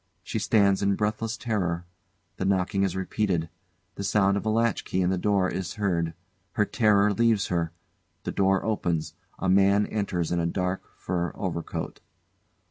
She stands in breathless terror. The knocking is repeated. The sound of a latchkey in the door is heard. Her terror leaves her. The door opens; a man enters in a dark, fur overcoat.